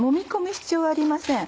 必要はありません。